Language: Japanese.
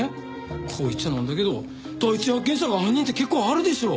こう言っちゃなんだけど第一発見者が犯人って結構あるでしょ。